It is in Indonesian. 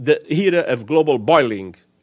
era pemanasan global juga tiba